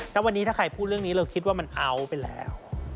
แล้ววันนี้ถ้าใครพูดเรื่องนี้เราคิดว่ามันเอาไปแล้ว